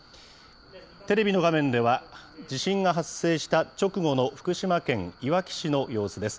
テレビの画面では、地震が発生した直後の福島県いわき市の様子です。